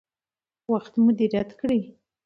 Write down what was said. وخت مدیریت کړئ.